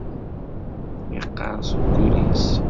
Iqqar deg wul-is.